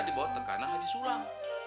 di bawah tekanan haji sulam